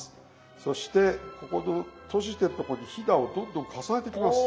そしてここの閉じてるとこにひだをどんどん重ねていきます。